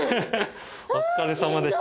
お疲れさまでした。